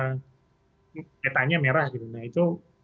netanya merah gitu nah itu